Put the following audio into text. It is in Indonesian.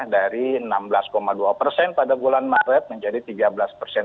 dari enam belas dua persen pada bulan maret menjadi tiga belas persen